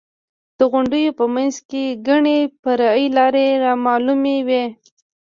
د غونډیو په منځ کې ګڼې فرعي لارې رامعلومې وې.